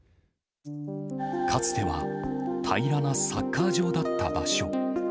かつては、平らなサッカー場だった場所。